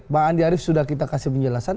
bang andi arief sudah kita kasih penjelasan